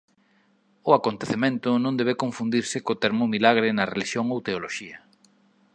O acontecemento non debe confundirse co termo milagre na relixión ou teoloxía.